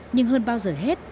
nhưng hơn bao giờ hết